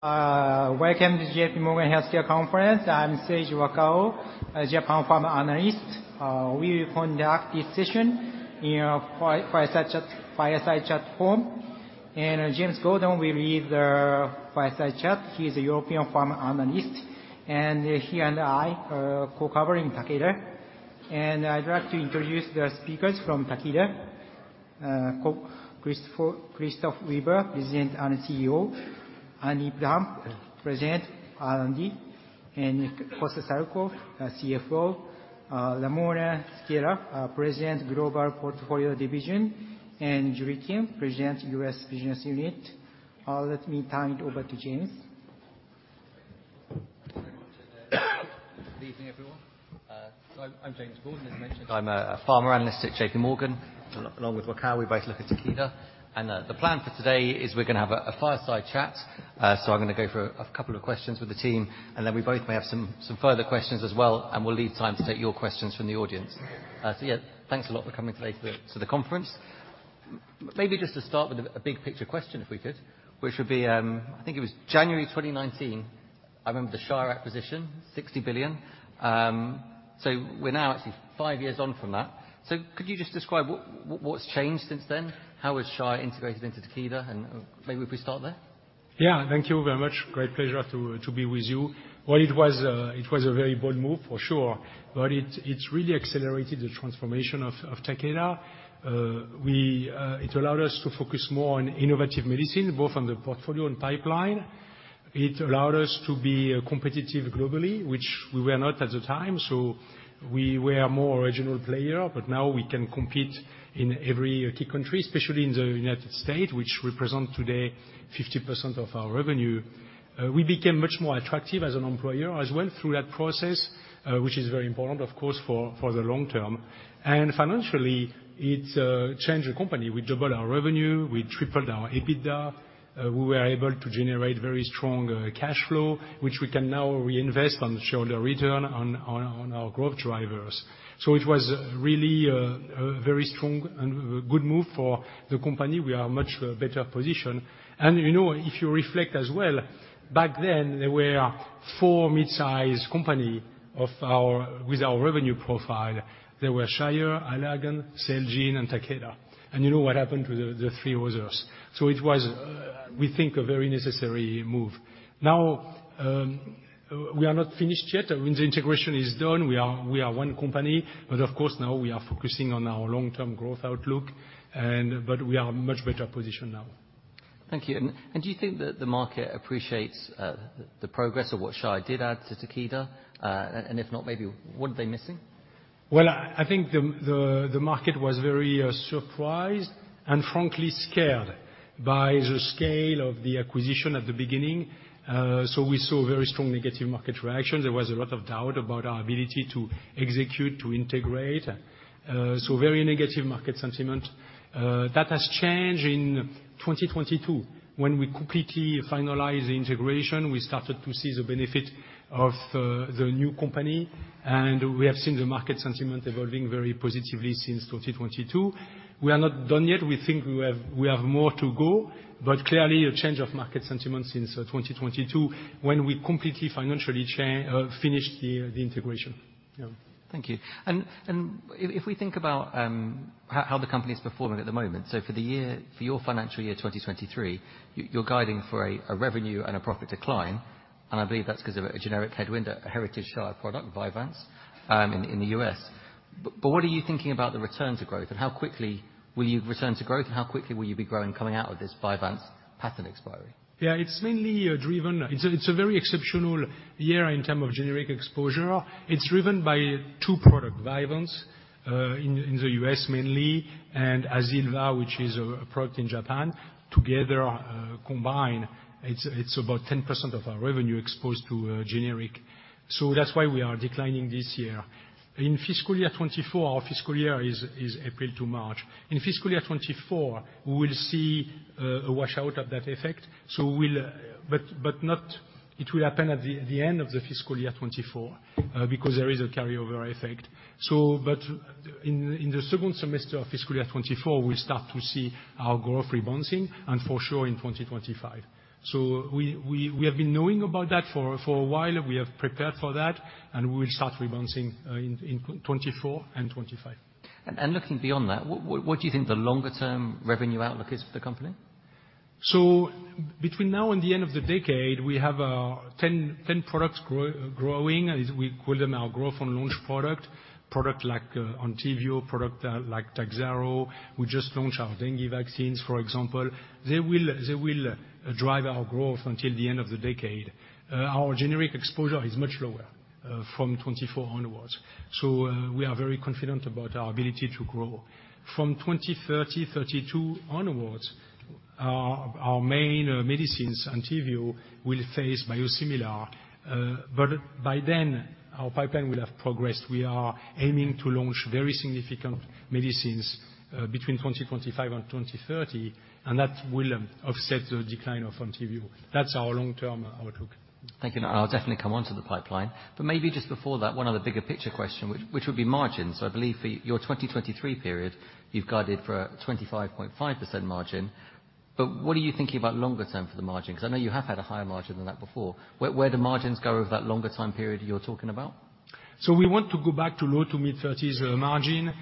Welcome to JPMorgan Healthcare Conference. I'm Seiji Wakao, a Japan pharma analyst. We will conduct this session in a fireside chat form, and James Gordon will lead the fireside chat. He is a European pharma analyst, and he and I are co-covering Takeda. I'd like to introduce the speakers from Takeda. Christophe Weber, President and CEO, Andy Plump, President, R&D, and Costa Saroukos, CFO, Ramona Sequeira, President, Global Portfolio Division, and Julie Kim, President, U.S. Business Unit. Let me turn it over to James. Good evening, everyone. So I'm James Gordon. As mentioned, I'm a pharma analyst at JPMorgan, along with Wakao, we both look at Takeda. The plan for today is we're gonna have a fireside chat. So I'm gonna go through a couple of questions with the team, and then we both may have some further questions as well, and we'll leave time to take your questions from the audience. So yeah, thanks a lot for coming today to the conference. Maybe just to start with a big picture question, if we could, which would be... I think it was January 2019. I remember the Shire acquisition, $60 billion. So we're now actually five years on from that. So could you just describe what's changed since then? How has Shire integrated into Takeda? Maybe if we start there. Yeah. Thank you very much. Great pleasure to be with you. Well, it was a very bold move, for sure, but it's really accelerated the transformation of Takeda. It allowed us to focus more on innovative medicine, both on the portfolio and pipeline. It allowed us to be competitive globally, which we were not at the time, so we were a more regional player, but now we can compete in every key country, especially in the United States, which represents today 50% of our revenue. We became much more attractive as an employer, as well, through that process, which is very important, of course, for the long term. And financially, it changed the company. We doubled our revenue, we tripled our EBITDA. We were able to generate very strong cash flow, which we can now reinvest on the shareholder return on, on, on our growth drivers. So it was really a very strong and a good move for the company. We are much better positioned. And, you know, if you reflect as well, back then there were four mid-sized company of our with our revenue profile. There were Shire, Allergan, Celgene, and Takeda, and you know what happened to the, the three others. So it was, we think, a very necessary move. Now, we are not finished yet. I mean, the integration is done. We are one company, but of course, now we are focusing on our long-term growth outlook and but we are in much better position now. Thank you. Do you think that the market appreciates the progress of what Shire did add to Takeda? And if not, maybe what are they missing? Well, I think the market was very surprised and frankly scared by the scale of the acquisition at the beginning. So we saw very strong negative market reaction. There was a lot of doubt about our ability to execute, to integrate, so very negative market sentiment. That has changed in 2022. When we completely finalized the integration, we started to see the benefit of the new company, and we have seen the market sentiment evolving very positively since 2022. We are not done yet. We think we have more to go, but clearly a change of market sentiment since 2022, when we completely finished the integration. Yeah. Thank you. And if we think about how the company is performing at the moment, so for the year, for your financial year 2023, you're guiding for a revenue and a profit decline, and I believe that's because of a generic headwind, a heritage Shire product, Vyvanse, in the U.S. But what are you thinking about the return to growth, and how quickly will you return to growth, and how quickly will you be growing coming out of this Vyvanse patent expiry? Yeah, it's mainly driven. It's a very exceptional year in terms of generic exposure. It's driven by two products, Vyvanse in the U.S., mainly, and Azilva, which is a product in Japan. Together, combined, it's about 10% of our revenue exposed to generic. So that's why we are declining this year. In fiscal year 2024, our fiscal year is April to March. In fiscal year 2024, we will see a wash out of that effect, so we'll. But not, it will happen at the end of the fiscal year 2024 because there is a carryover effect. So but in the second semester of fiscal year 2024, we start to see our growth rebounding, and for sure, in 2025. So we have been knowing about that for a while. We have prepared for that, and we will start rebounding in 2024 and 2025. Looking beyond that, what do you think the longer term revenue outlook is for the company? Between now and the end of the decade, we have 10 products growing. As we call them, our growth and launch products. Products like ENTYVIO, products like TAKHZYRO. We just launched our dengue vaccines, for example. They will drive our growth until the end of the decade. Our generic exposure is much lower from 2024 onwards, so we are very confident about our ability to grow. From 2030, 2032 onwards, our main medicines, ENTYVIO, will face biosimilar, but by then, our pipeline will have progressed. We are aiming to launch very significant medicines between 2025 and 2030, and that will offset the decline of ENTYVIO. That's our long-term outlook. Thank you, and I'll definitely come on to the pipeline. But maybe just before that, one other bigger picture question, which, which would be margins. So I believe for your 2023 period, you've guided for a 25.5% margin, but what are you thinking about longer term for the margin? 'Cause I know you have had a higher margin than that before. Where, where do margins go over that longer time period you're talking about? So we want to go back to low- to mid-30s margin.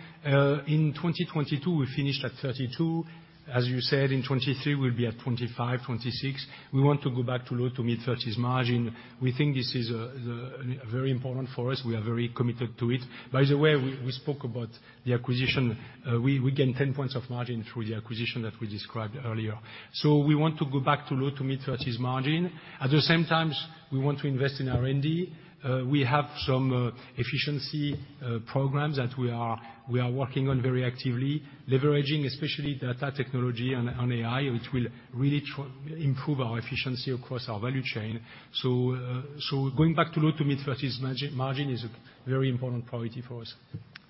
In 2022, we finished at 32. As you said, in 2023, we'll be at 25, 26. We want to go back to low- to mid-30s margin. We think this is the very important for us. We are very committed to it. By the way, we spoke about the acquisition. We gain 10 points of margin through the acquisition that we described earlier. So we want to go back to low- to mid-30s margin. At the same time, we want to invest in R&D. We have some efficiency programs that we are working on very actively, leveraging especially data technology and AI, which will really improve our efficiency across our value chain. Going back to low- to mid-30s margin is a very important priority for us.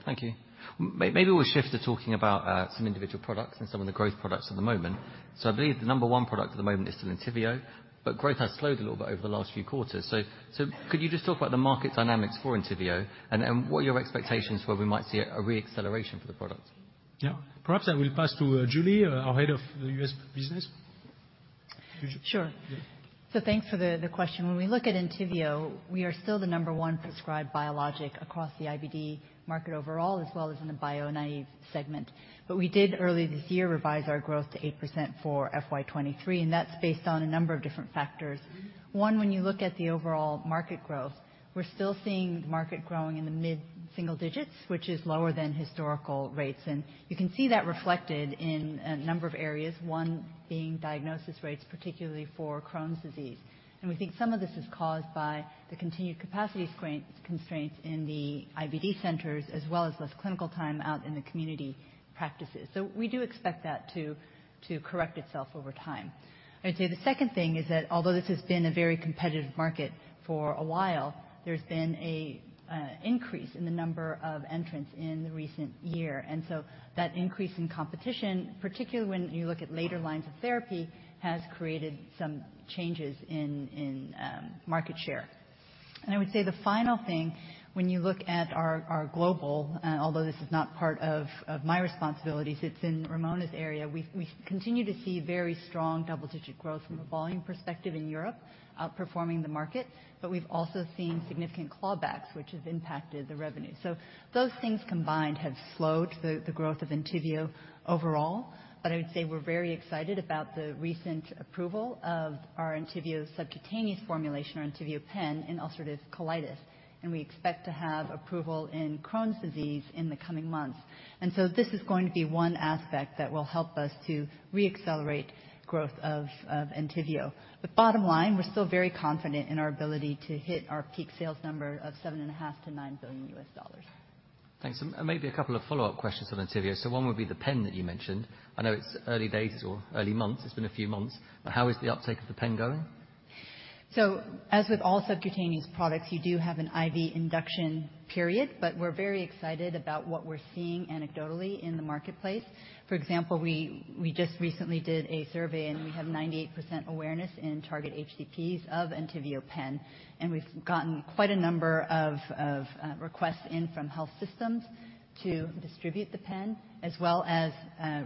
Thank you. Maybe we'll shift to talking about some individual products and some of the growth products at the moment. So I believe the number one product at the moment is still ENTYVIO, but growth has slowed a little bit over the last few quarters. So could you just talk about the market dynamics for ENTYVIO, and what are your expectations for where we might see a re-acceleration for the product? Yeah. Perhaps I will pass to Julie, our head of the U.S. business. Julie? Sure. Yeah. So thanks for the, the question. When we look at ENTYVIO, we are still the number one prescribed biologic across the IBD market overall, as well as in the bio-naive segment. But we did, earlier this year, revise our growth to 8% for FY 2023, and that's based on a number of different factors. One, when you look at the overall market growth, we're still seeing the market growing in the mid-single digits, which is lower than historical rates, and you can see that reflected in a number of areas, one being diagnosis rates, particularly for Crohn's disease. And we think some of this is caused by the continued capacity constraints in the IBD centers, as well as less clinical time out in the community practices. So we do expect that to, to correct itself over time. I'd say the second thing is that although this has been a very competitive market for a while, there's been an increase in the number of entrants in the recent year, and so that increase in competition, particularly when you look at later lines of therapy, has created some changes in market share. I would say the final thing, when you look at our global, although this is not part of my responsibilities, it's in Ramona's area, we continue to see very strong double-digit growth from a volume perspective in Europe, outperforming the market, but we've also seen significant clawbacks, which have impacted the revenue. So those things combined have slowed the growth of ENTYVIO overall, but I would say we're very excited about the recent approval of our ENTYVIO subcutaneous formulation, or ENTYVIO Pen, in ulcerative colitis, and we expect to have approval in Crohn's disease in the coming months. And so this is going to be one aspect that will help us to re-accelerate growth of ENTYVIO. But bottom line, we're still very confident in our ability to hit our peak sales number of $7.5 billion-$9 billion. Thanks. And maybe a couple of follow-up questions on ENTYVIO. So one would be the pen that you mentioned. I know it's early days or early months, it's been a few months, but how is the uptake of the pen going? So as with all subcutaneous products, you do have an IV induction period, but we're very excited about what we're seeing anecdotally in the marketplace. For example, we just recently did a survey, and we have 98% awareness in target HCPs of ENTYVIO Pen, and we've gotten quite a number of requests in from health systems to distribute the pen, as well as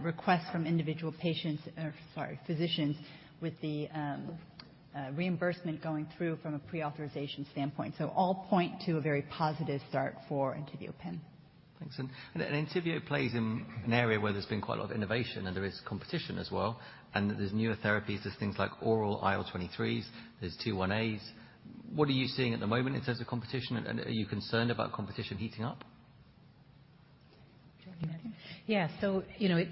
requests from individual patients, or sorry, physicians with the reimbursement going through from a pre-authorization standpoint. So all point to a very positive start for ENTYVIO Pen. Thanks. And ENTYVIO plays in an area where there's been quite a lot of innovation, and there is competition as well, and there's newer therapies. There's things like oral IL-23s, there's TL1As. What are you seeing at the moment in terms of competition, and are you concerned about competition heating up? Yeah. So you know, it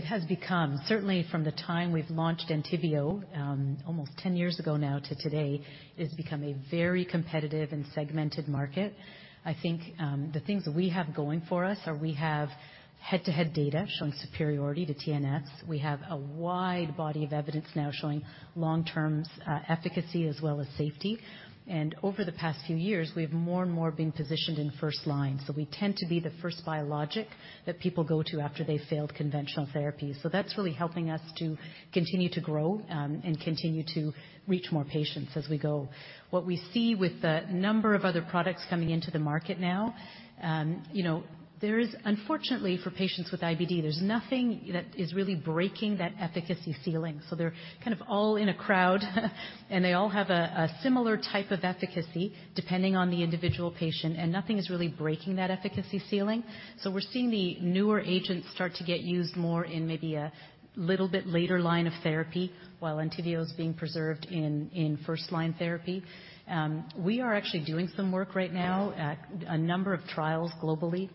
has become, certainly from the time we've launched ENTYVIO, almost 10 years ago now to today, it has become a very competitive and segmented market. I think, the things that we have going for us are we have head-to-head data showing superiority to TNF. We have a wide body of evidence now showing long-term efficacy as well as safety, and over the past few years, we've more and more been positioned in first line. So we tend to be the first biologic that people go to after they've failed conventional therapy. So that's really helping us to continue to grow, and continue to reach more patients as we go. What we see with the number of other products coming into the market now, you know, there is unfortunately for patients with IBD, there's nothing that is really breaking that efficacy ceiling. So they're kind of all in a crowd, and they all have a, a similar type of efficacy depending on the individual patient, and nothing is really breaking that efficacy ceiling. So we're seeing the newer agents start to get used more in maybe a little bit later line of therapy, while ENTYVIO is being preserved in, in first-line therapy. We are actually doing some work right now at a number of trials globally,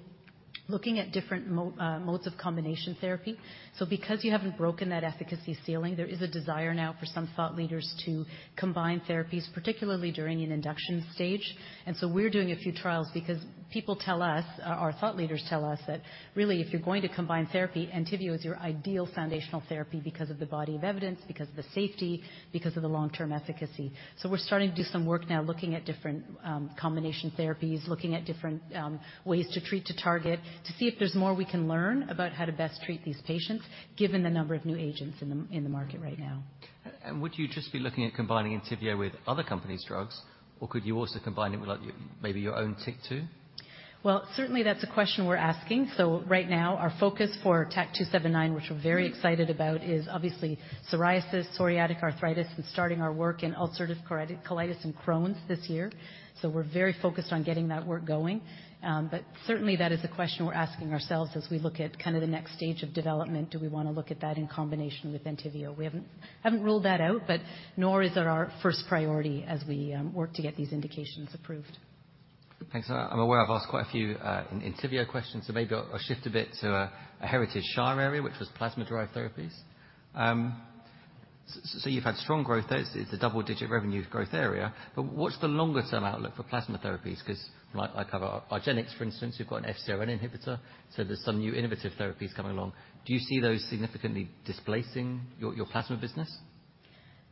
looking at different modes of combination therapy. So because you haven't broken that efficacy ceiling, there is a desire now for some thought leaders to combine therapies, particularly during an induction stage. And so we're doing a few trials because people tell us, or thought leaders tell us, that really, if you're going to combine therapy, ENTYVIO is your ideal foundational therapy because of the body of evidence, because of the safety, because of the long-term efficacy. So we're starting to do some work now looking at different, combination therapies, looking at different, ways to treat to target, to see if there's more we can learn about how to best treat these patients, given the number of new agents in the, in the market right now. And would you just be looking at combining ENTYVIO with other companies' drugs, or could you also combine it with, like, maybe your own TYK2? Well, certainly that's a question we're asking. So right now, our focus for TAK-279, which we're very excited about, is obviously psoriasis, psoriatic arthritis, and starting our work in ulcerative colitis, colitis, and Crohn's this year. So we're very focused on getting that work going. But certainly, that is a question we're asking ourselves as we look at kind of the next stage of development. Do we want to look at that in combination with ENTYVIO? We haven't, haven't ruled that out, but nor is it our first priority as we work to get these indications approved. Thanks. I'm aware I've asked quite a few, ENTYVIO questions, so maybe I'll shift a bit to a heritage Shire area, which was plasma-derived therapies. So you've had strong growth there. It's a double-digit revenue growth area, but what's the longer-term outlook for plasma therapies? Because, like, I cover argenx, for instance, who've got an FcRN inhibitor, so there's some new innovative therapies coming along. Do you see those significantly displacing your, your plasma business?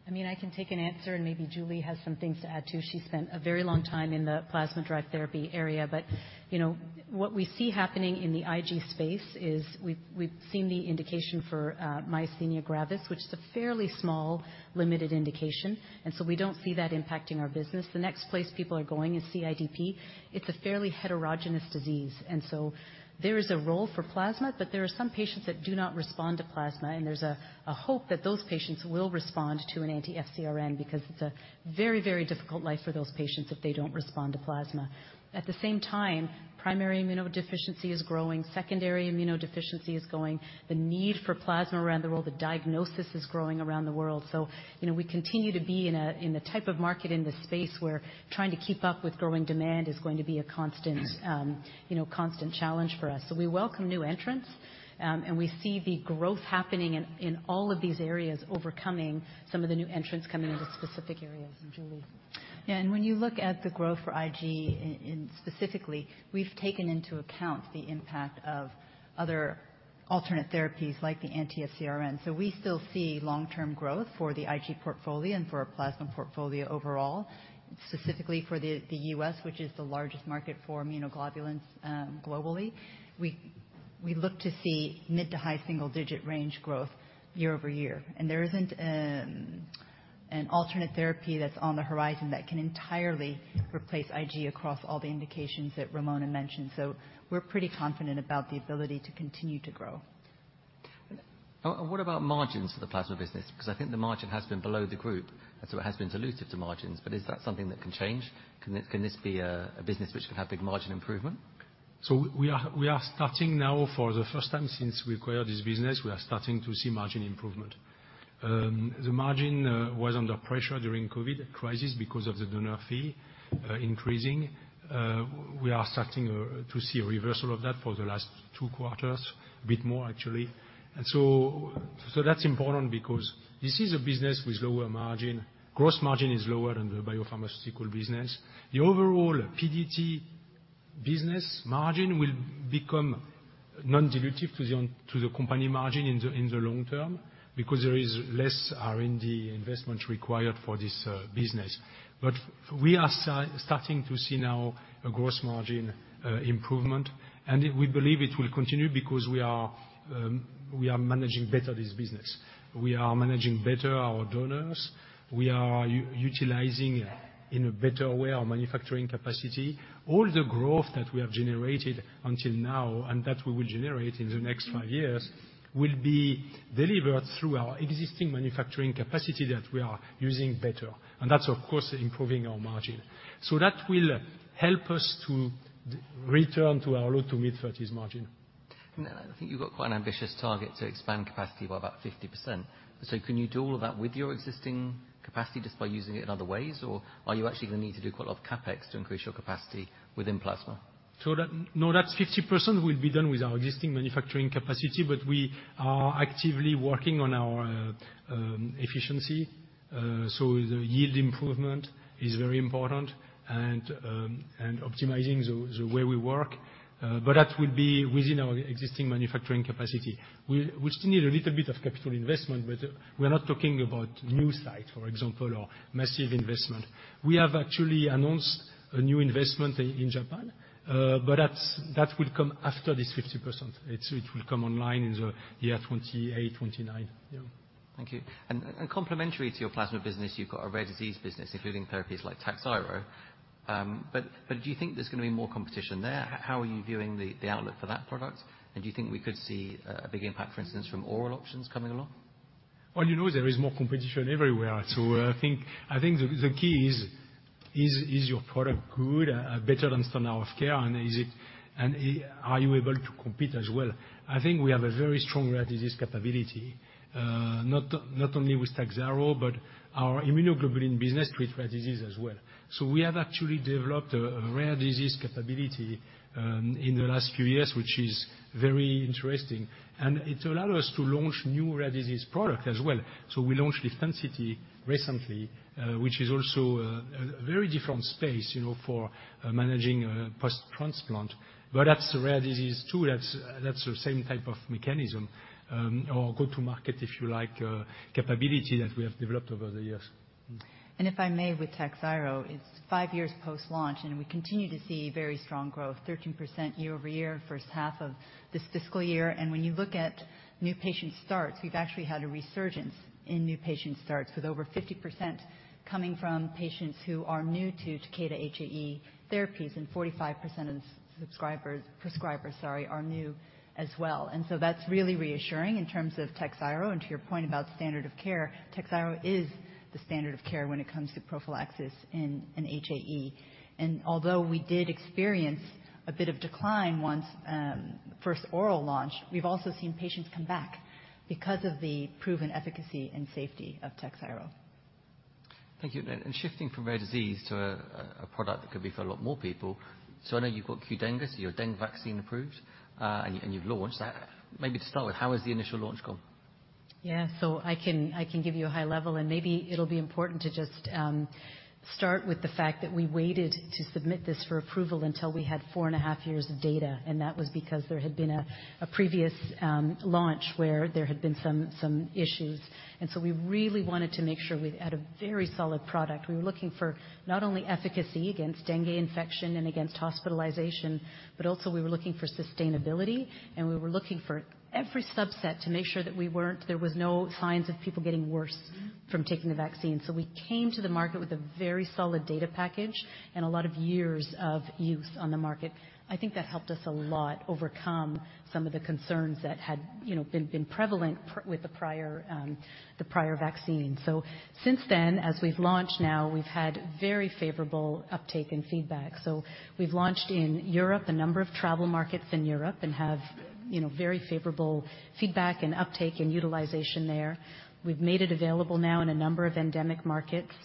I mean, I can take an answer, and maybe Julie has some things to add, too. She spent a very long time in the plasma-derived therapy area. But, you know, what we see happening in the IG space is we've seen the indication for myasthenia gravis, which is a fairly small, limited indication, and so we don't see that impacting our business. The next place people are going is CIDP. It's a fairly heterogeneous disease, and so there is a role for plasma, but there are some patients that do not respond to plasma, and there's a hope that those patients will respond to an anti-FcRN because it's a very, very difficult life for those patients if they don't respond to plasma. At the same time, primary immunodeficiency is growing, secondary immunodeficiency is growing, the need for plasma around the world, the diagnosis is growing around the world. So, you know, we continue to be in a, in the type of market, in the space, where trying to keep up with growing demand is going to be a constant, you know, constant challenge for us. So we welcome new entrants, and we see the growth happening in, in all of these areas, overcoming some of the new entrants coming into specific areas. And Julie? Yeah, and when you look at the growth for IG in specifically, we've taken into account the impact of other alternate therapies like the anti-FcRN. So we still see long-term growth for the IG portfolio and for our plasma portfolio overall, specifically for the U.S., which is the largest market for immunoglobulins globally. We look to see mid- to high single-digit range growth year-over-year, and there isn't an alternate therapy that's on the horizon that can entirely replace IG across all the indications that Ramona mentioned. So we're pretty confident about the ability to continue to grow. What about margins for the plasma business? Because I think the margin has been below the group, and so it has been dilutive to margins. But is that something that can change? Can this be a business which can have big margin improvement? So we are starting now. For the first time since we acquired this business, we are starting to see margin improvement. The margin was under pressure during COVID crisis because of the donor fee increasing. We are starting to see a reversal of that for the last two quarters, a bit more actually. And so that's important because this is a business with lower margin. Gross margin is lower than the biopharmaceutical business. The overall PDT business margin will become non-dilutive to the company margin in the long term, because there is less R&D investment required for this business. But we are starting to see now a gross margin improvement, and we believe it will continue because we are managing better this business. We are managing better our donors. We are utilizing, in a better way, our manufacturing capacity. All the growth that we have generated until now, and that we will generate in the next five years, will be delivered through our existing manufacturing capacity that we are using better, and that's, of course, improving our margin. That will help us to return to our low- to mid-30s margin. I think you've got quite an ambitious target to expand capacity by about 50%. So can you do all of that with your existing capacity, just by using it in other ways? Or are you actually going to need to do quite a lot of CapEx to increase your capacity within plasma? So that, no, that 50% will be done with our existing manufacturing capacity, but we are actively working on our efficiency. So the yield improvement is very important and optimizing the way we work, but that will be within our existing manufacturing capacity. We still need a little bit of capital investment, but we're not talking about new site, for example, or massive investment. We have actually announced a new investment in Japan, but that's- that will come after this 50%. So it will come online in the year 2028, 2029. Yeah. Thank you. Complementary to your plasma business, you've got a rare disease business, including therapies like TAKHZYRO. But do you think there's going to be more competition there? How are you viewing the outlook for that product? And do you think we could see a big impact, for instance, from oral options coming along? Well, you know, there is more competition everywhere, so I think the key is your product good, better than standard of care, and is it... And are you able to compete as well? I think we have a very strong rare disease capability, not only with TAKHZYRO, but our immunoglobulin business treats rare disease as well. So we have actually developed a rare disease capability in the last few years, which is very interesting, and it allow us to launch new rare disease product as well. So we launched LIVTENCITY recently, which is also a very different space, you know, for managing post-transplant. But that's a rare disease, too. That's the same type of mechanism or go-to-market, if you like, capability that we have developed over the years. And if I may, with TAKHZYRO, it's 5 years post-launch, and we continue to see very strong growth, 13% year-over-year, first half of this fiscal year. And when you look at new patient starts, we've actually had a resurgence in new patient starts, with over 50% coming from patients who are new to Takeda HAE therapies, and 45% of subscribers, prescribers, sorry, are new as well. And so that's really reassuring in terms of TAKHZYRO. And to your point about standard of care, TAKHZYRO is the standard of care when it comes to prophylaxis in an HAE. And although we did experience a bit of decline once, first oral launch, we've also seen patients come back because of the proven efficacy and safety of TAKHZYRO. Thank you. And shifting from rare disease to a, a product that could be for a lot more people. So I know you've got QDENGA, so your Dengue vaccine approved, and you've launched. Maybe to start with, how has the initial launch gone? Yeah. So I can, I can give you a high level, and maybe it'll be important to just start with the fact that we waited to submit this for approval until we had four and a half years of data, and that was because there had been a previous launch where there had been some issues. So we really wanted to make sure we had a very solid product. We were looking for not only efficacy against dengue infection and against hospitalization, but also we were looking for sustainability, and we were looking for every subset to make sure that we weren't - there was no signs of people getting worse from taking the vaccine. So we came to the market with a very solid data package and a lot of years of use on the market. I think that helped us a lot overcome some of the concerns that had, you know, been prevalent with the prior vaccine. So since then, as we've launched now, we've had very favorable uptake and feedback. So we've launched in Europe, a number of travel markets in Europe, and have, you know, very favorable feedback and uptake and utilization there. We've made it available now in a number of endemic markets,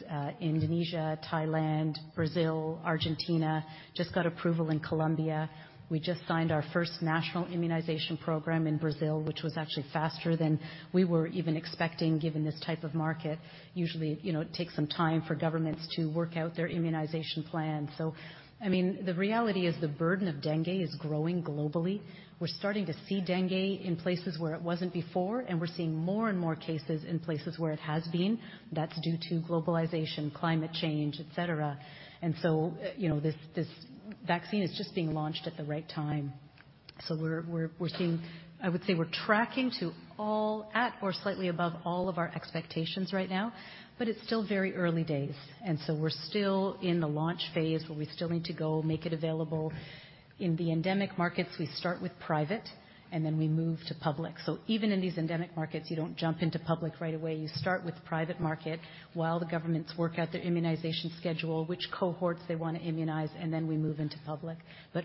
Indonesia, Thailand, Brazil, Argentina, just got approval in Colombia. We just signed our first national immunization program in Brazil, which was actually faster than we were even expecting, given this type of market. Usually, you know, it takes some time for governments to work out their immunization plan. So, I mean, the reality is the burden of dengue is growing globally. We're starting to see Dengue in places where it wasn't before, and we're seeing more and more cases in places where it has been. That's due to globalization, climate change, et cetera. And so, you know, this vaccine is just being launched at the right time. So we're seeing... I would say, we're tracking to all at or slightly above all of our expectations right now, but it's still very early days, and so we're still in the launch phase where we still need to go make it available. In the endemic markets, we start with private, and then we move to public. So even in these endemic markets, you don't jump into public right away. You start with private market while the governments work out their immunization schedule, which cohorts they want to immunize, and then we move into public.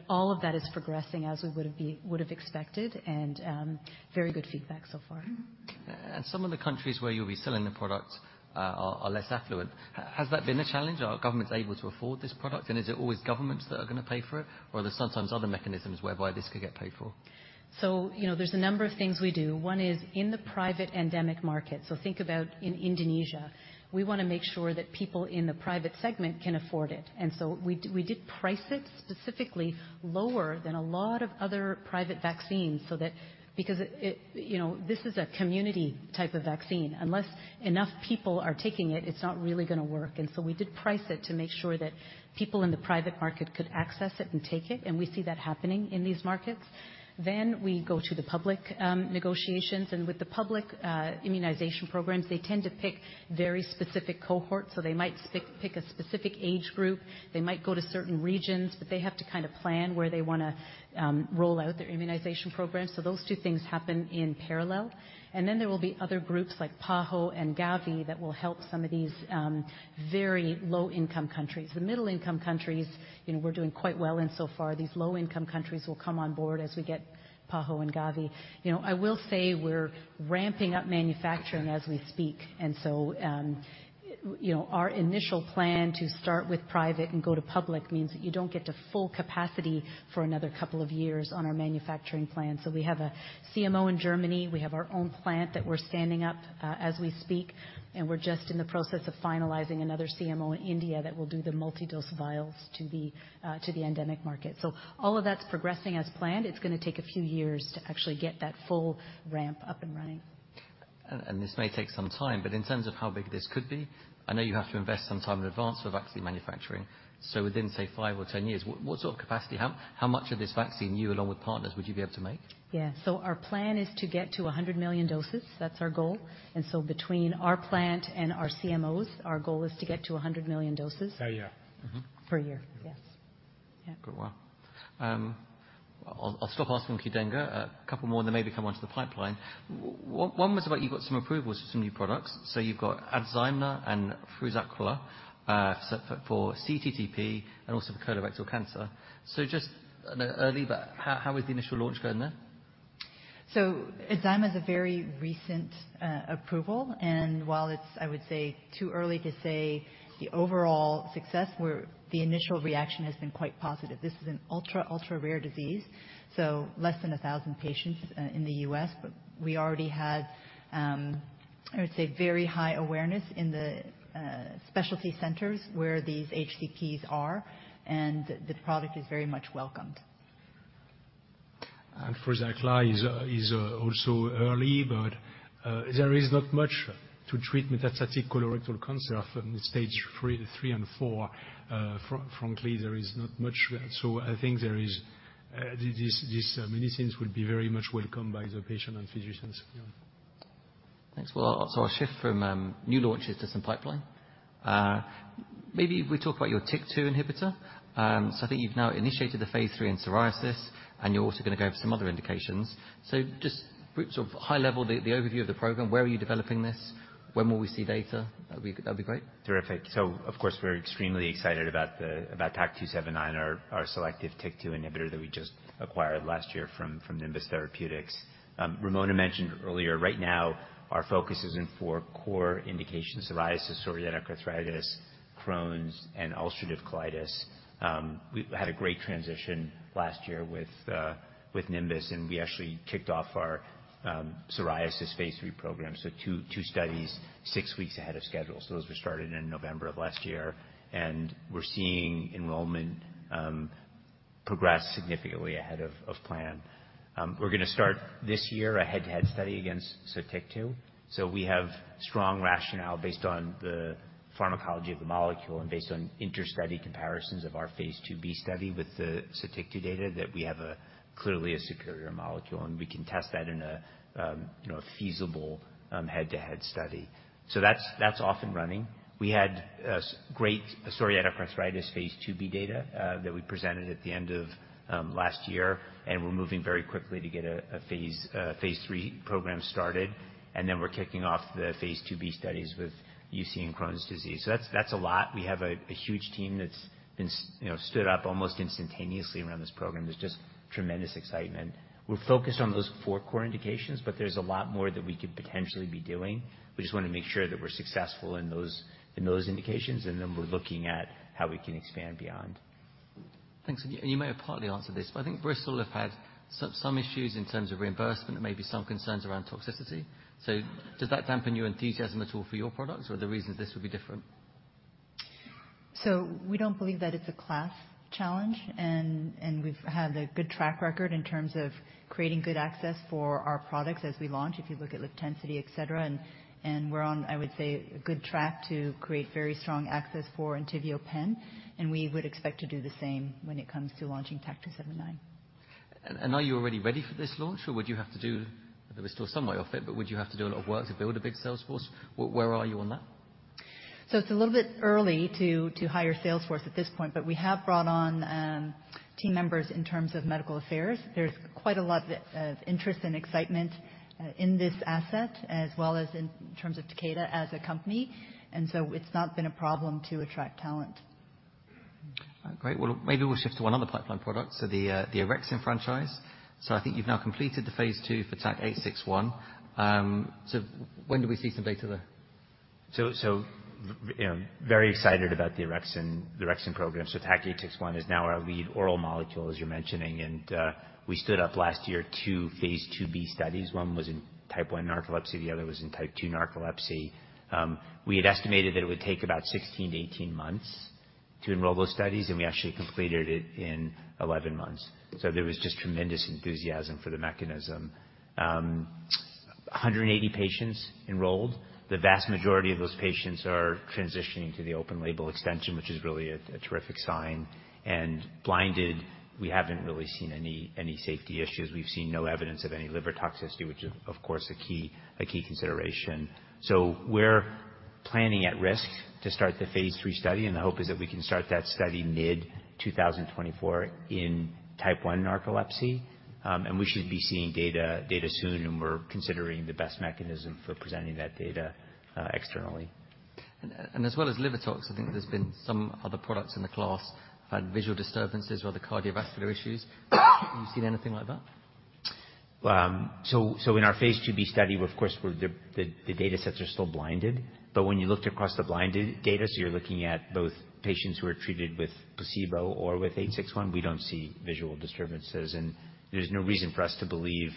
All of that is progressing as we would have expected, and very good feedback so far. Some of the countries where you'll be selling the products are less affluent. Has that been a challenge? Are governments able to afford this product, and is it always governments that are gonna pay for it, or are there sometimes other mechanisms whereby this could get paid for? So, you know, there's a number of things we do. One is in the private endemic market, so think about in Indonesia, we wanna make sure that people in the private segment can afford it, and so we did price it specifically lower than a lot of other private vaccines, so that because it, it... You know, this is a community type of vaccine. Unless enough people are taking it, it's not really gonna work, and so we did price it to make sure that people in the private market could access it and take it, and we see that happening in these markets. Then, we go to the public negotiations, and with the public immunization programs, they tend to pick very specific cohorts. So they might pick a specific age group, they might go to certain regions, but they have to kind of plan where they wanna roll out their immunization program. So those two things happen in parallel. And then there will be other groups like PAHO and Gavi, that will help some of these very low-income countries. The middle-income countries, you know, we're doing quite well in so far. These low-income countries will come on board as we get PAHO and Gavi. You know, I will say we're ramping up manufacturing as we speak, and so, you know, our initial plan to start with private and go to public means that you don't get to full capacity for another couple of years on our manufacturing plan. So we have a CMO in Germany, we have our own plant that we're standing up as we speak, and we're just in the process of finalizing another CMO in India that will do the multi-dose vials to the endemic market. So all of that's progressing as planned. It's gonna take a few years to actually get that full ramp up and running. This may take some time, but in terms of how big this could be, I know you have to invest some time in advance for vaccine manufacturing. Within, say, 5 or 10 years, what sort of capacity, how much of this vaccine, you along with partners, would you be able to make? Yeah. So our plan is to get to 100 million doses. That's our goal. And so between our plant and our CMOs, our goal is to get to 100 million doses. Per year. Per year, yes. Yeah. Good work. I'll stop asking QDENGA. A couple more, then maybe come on to the pipeline. One was about, you got some approvals for some new products. So you've got ADZYNMA and FRUZAQLA, so for cTTP and also for colorectal cancer. So just early, but how is the initial launch going there? So ADZYNMA is a very recent approval, and while it's, I would say, too early to say the overall success, where the initial reaction has been quite positive. This is an ultra, ultra rare disease, so less than 1,000 patients in the U.S., but we already had, I would say, very high awareness in the specialty centers where these cTTPs are, and the product is very much welcomed. FRUZAQLA is also early, but there is not much to treat metastatic colorectal cancer from stage three and four. Frankly, there is not much. So I think these medicines will be very much welcomed by the patient and physicians. Thanks. Well, so I'll shift from new launches to some pipeline. Maybe if we talk about your TYK2 inhibitor. So I think you've now initiated the phase III in psoriasis, and you're also going to go for some other indications. So just sort of high level, the overview of the program, where are you developing this? When will we see data? That'd be, that'd be great. Terrific. So of course, we're extremely excited about about TAK-279, our our selective TYK2 inhibitor that we just acquired last year from from Nimbus Therapeutics. Ramona mentioned earlier, right now, our focus is in four core indications, psoriasis, psoriatic arthritis, Crohn's, and ulcerative colitis. We've had a great transition last year with with Nimbus, and we actually kicked off our psoriasis phase III program. So two two studies, six weeks ahead of schedule. So those were started in November of last year, and we're seeing enrollment progress significantly ahead of of plan. We're going to start this year a head-to-head study against Sotyktu. So we have strong rationale based on the pharmacology of the molecule and based on interstudy comparisons of our phase IIb study with the Sotyktu data, that we have clearly a superior molecule, and we can test that in a, you know, feasible, head-to-head study. So that's, that's off and running. We had a great psoriatic arthritis phase II-B data, that we presented at the end of, last year, and we're moving very quickly to get a phase III program started, and then we're kicking off the phase II-B studies with UC and Crohn's disease. So that's, that's a lot. We have a huge team that's been you know, stood up almost instantaneously around this program. There's just tremendous excitement. We're focused on those four core indications, but there's a lot more that we could potentially be doing. We just want to make sure that we're successful in those, in those indications, and then we're looking at how we can expand beyond. Thanks. And you may have partly answered this, but I think Bristol have had some issues in terms of reimbursement and maybe some concerns around toxicity. So does that dampen your enthusiasm at all for your products, or are the reasons this would be different? So we don't believe that it's a class challenge, and we've had a good track record in terms of creating good access for our products as we launch, if you look at LIVTENCITY, et cetera. And we're on, I would say, a good track to create very strong access for ENTYVIO Pen, and we would expect to do the same when it comes to launching TAK-279. And are you already ready for this launch, or would you have to do... There is still some way off it, but would you have to do a lot of work to build a big sales force? Where are you on that? So it's a little bit early to hire sales force at this point, but we have brought on team members in terms of medical affairs. There's quite a lot of interest and excitement in this asset, as well as in terms of Takeda as a company, and so it's not been a problem to attract talent. Great. Well, maybe we'll shift to one other pipeline product, so the orexin franchise. So I think you've now completed the phase II for TAK-861. So when do we see some data there? So, very excited about the orexin, the orexin program. So TAK-861 is now our lead oral molecule, as you're mentioning, and we stood up last year two phase II-B studies. One was in Type 1 narcolepsy, the other was in Type 2 narcolepsy. We had estimated that it would take about 16-18 months to enroll those studies, and we actually completed it in 11 months. So there was just tremendous enthusiasm for the mechanism. 180 patients enrolled. The vast majority of those patients are transitioning to the open label extension, which is really a terrific sign, and blinded, we haven't really seen any safety issues. We've seen no evidence of any liver toxicity, which is, of course, a key consideration. We're planning at risk to start the phase III study, and the hope is that we can start that study mid-2024 in Type 1 narcolepsy. We should be seeing data soon, and we're considering the best mechanism for presenting that data externally. As well as liver tox, I think there's been some other products in the class had visual disturbances or other cardiovascular issues. Have you seen anything like that? So, in our phase II-B study, of course, where the data sets are still blinded, but when you looked across the blinded data, so you're looking at both patients who are treated with placebo or with 861, we don't see visual disturbances. And there's no reason for us to believe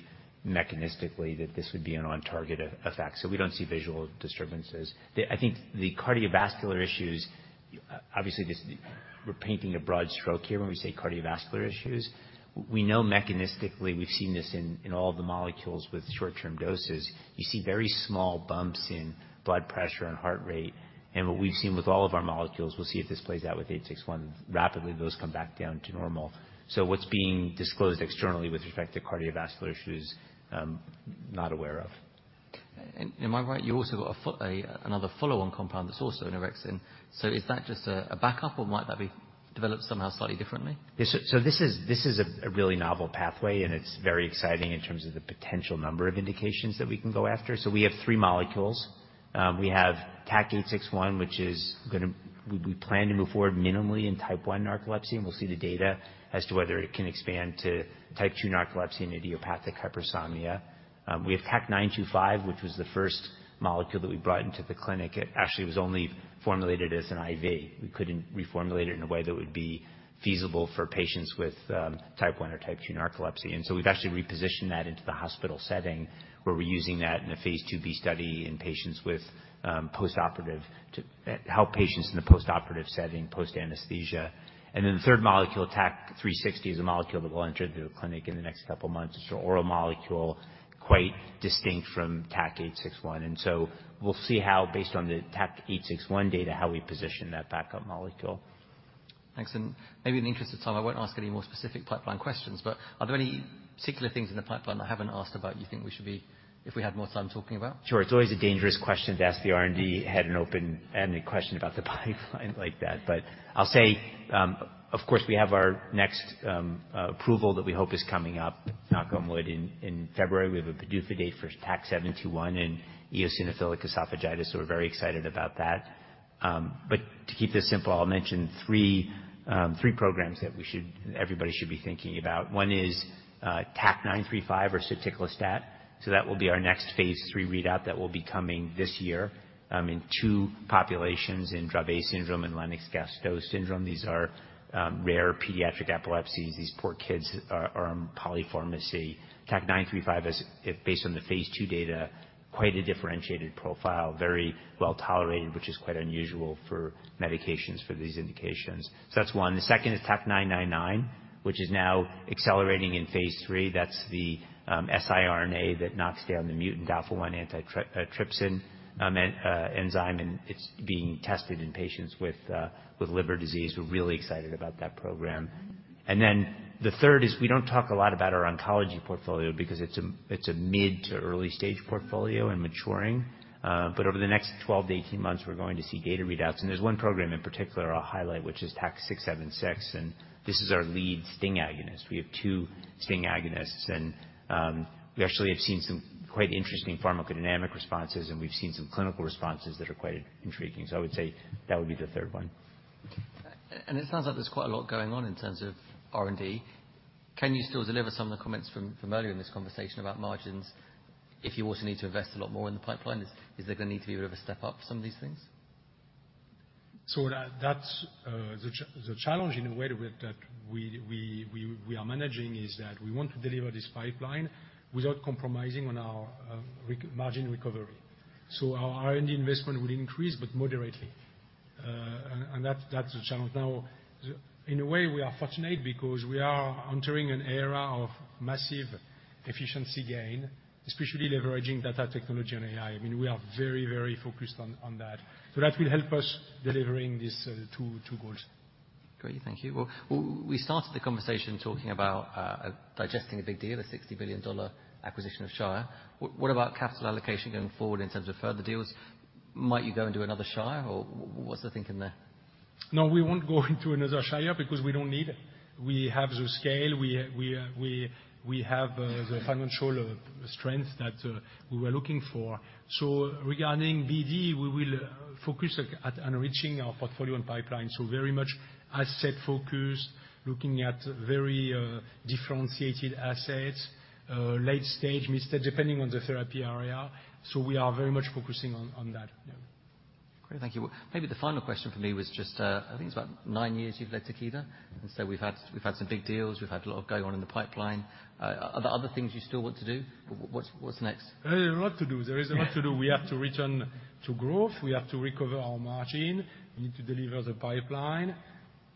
mechanistically that this would be an on-target effect. So we don't see visual disturbances. I think the cardiovascular issues, obviously, this, we're painting a broad stroke here when we say cardiovascular issues. We know mechanistically, we've seen this in all the molecules with short-term doses. You see very small bumps in blood pressure and heart rate, and what we've seen with all of our molecules, we'll see if this plays out with 861, rapidly, those come back down to normal. What's being disclosed externally with respect to cardiovascular issues? Not aware of. Am I right, you also got another follow-on compound that's also an orexin? Is that just a backup, or might that be developed somehow slightly differently? Yes. So this is a really novel pathway, and it's very exciting in terms of the potential number of indications that we can go after. So we have three molecules. We have TAK-861, which is gonna we plan to move forward minimally in Type 1 narcolepsy, and we'll see the data as to whether it can expand to Type 2 narcolepsy and idiopathic hypersomnia. We have TAK-925, which was the first molecule that we brought into the clinic. It actually was only formulated as an IV. We couldn't reformulate it in a way that would be feasible for patients with Type 1 or Type 2 narcolepsy. And so we've actually repositioned that into the hospital setting, where we're using that in a phase II-B study in patients with postoperative to help patients in a postoperative setting, post anesthesia. And then the third molecule, TAK-360, is a molecule that will enter the clinic in the next couple of months. It's an oral molecule, quite distinct from TAK-861. And so we'll see how, based on the TAK-861 data, how we position that backup molecule. Thanks, and maybe in the interest of time, I won't ask any more specific pipeline questions, but are there any particular things in the pipeline I haven't asked about you think we should be, if we had more time, talking about? Sure. It's always a dangerous question to ask the R&D head an open-ended question about the pipeline like that. But I'll say, of course, we have our next approval that we hope is coming up, knock on wood, in February. We have a PDUFA date for TAK-721 in eosinophilic esophagitis, so we're very excited about that. But to keep this simple, I'll mention three programs that we should—everybody should be thinking about. One is TAK-935 or soticlestat, so that will be our next phase three readout that will be coming this year, in two populations, in Dravet syndrome and Lennox-Gastaut syndrome. These are rare pediatric epilepsies. These poor kids are on polypharmacy. TAK-935 is; it's based on the phase two data, quite a differentiated profile, very well-tolerated, which is quite unusual for medications for these indications. So that's one. The second is TAK-999, which is now accelerating in phase 3. That's the siRNA that knocks down the mutant alpha-1 antitrypsin enzyme, and it's being tested in patients with liver disease. We're really excited about that program. And then, the third is we don't talk a lot about our oncology portfolio because it's a mid- to early-stage portfolio and maturing. But over the next 12-18 months, we're going to see data readouts. And there's one program in particular I'll highlight, which is TAK-676, and this is our lead STING agonist. We have two STING agonists, and we actually have seen some quite interesting pharmacodynamic responses, and we've seen some clinical responses that are quite intriguing, so I would say that would be the third one. It sounds like there's quite a lot going on in terms of R&D. Can you still deliver some of the comments from earlier in this conversation about margins, if you also need to invest a lot more in the pipeline? Is there gonna need to be a bit of a step up for some of these things? So that's the challenge in a way that we are managing is that we want to deliver this pipeline without compromising on our margin recovery. So our R&D investment will increase, but moderately, and that's the challenge. Now, in a way, we are fortunate because we are entering an era of massive efficiency gain, especially leveraging data technology and AI. I mean, we are very, very focused on that. So that will help us delivering these two goals. Great, thank you. Well, we started the conversation talking about digesting a big deal, a $60 billion acquisition of Shire. What about capital allocation going forward in terms of further deals? Might you go into another Shire, or what's the thinking there? No, we won't go into another Shire because we don't need it. We have the scale, we have the financial strength that we were looking for. So regarding BD, we will focus on enriching our portfolio and pipeline, so very much asset focused, looking at very differentiated assets, late stage instead, depending on the therapy area. So we are very much focusing on that. Yeah. Great, thank you. Well, maybe the final question for me was just, I think it's about nine years you've led Takeda, and so we've had some big deals, we've had a lot going on in the pipeline. Are there other things you still want to do? What's next? There is a lot to do. There is a lot to do. Yeah. We have to return to growth, we have to recover our margin, we need to deliver the pipeline,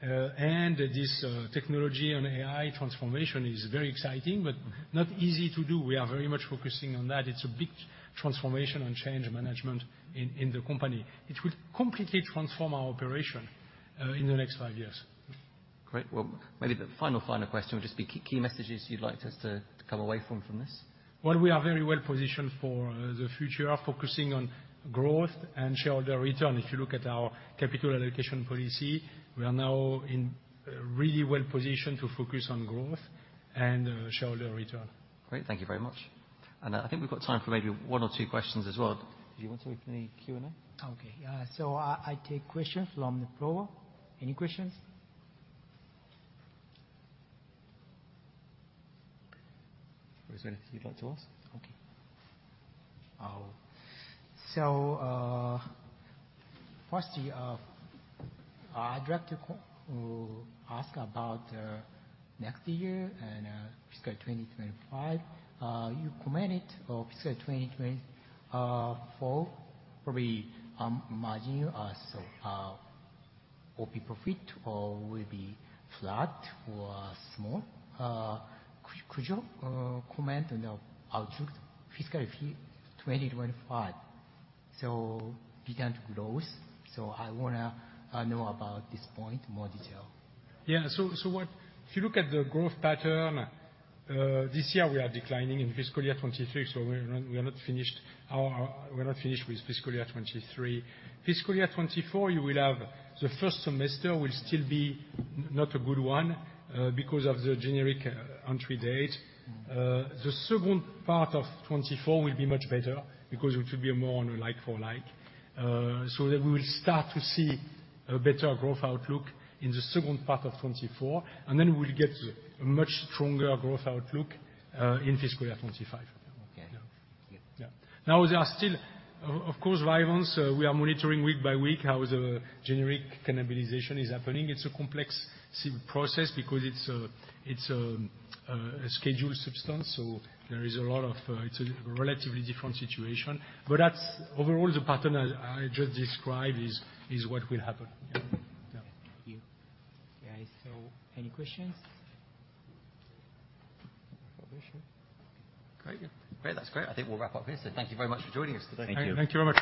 and this, technology on AI transformation is very exciting but not easy to do. We are very much focusing on that. It's a big transformation and change management in the company. It will completely transform our operation in the next five years. Great. Well, maybe the final question would just be key messages you'd like us to come away from this. Well, we are very well positioned for the future, focusing on growth and shareholder return. If you look at our capital allocation policy, we are now in really well positioned to focus on growth and shareholder return. Great, thank you very much. I think we've got time for maybe one or two questions as well. Do you want to open the Q&A? Okay. So I take questions from the floor. Any questions? Is there anything you'd like to ask? Okay. So, firstly, I'd like to ask about next year and fiscal 2025. You commented on fiscal 2024, probably margins or so or profit will be flat or small. Could you comment on the outlook fiscal year 2025? So begin to growth, so I wanna know about this point in more detail. If you look at the growth pattern, this year, we are declining in fiscal year 2023, so we're not finished with fiscal year 2023. Fiscal year 2024, the first semester will still not be a good one, because of the generic entry date. The second part of 2024 will be much better because it will be more on a like for like. So then we will start to see a better growth outlook in the second part of 2024, and then we'll get a much stronger growth outlook in fiscal year 2025. Okay. Yeah. Yeah. Yeah. Now, there are still, of course, variance. We are monitoring week by week how the generic cannibalization is happening. It's a complex process because it's a scheduled substance, so there is a lot of... It's a relatively different situation, but that's overall, the pattern I just described is what will happen. Yeah. Thank you. Guys, so any questions? For sure. Great. Yeah. Great, that's great. I think we'll wrap up here. Thank you very much for joining us today. Thank you. Thank you very much.